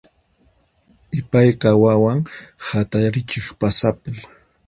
Ipayqa wawan hatarichiq pasapun.